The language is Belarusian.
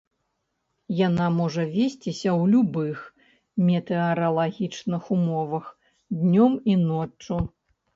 Яна можа весціся ў любых метэаралагічных умовах днём і ноччу.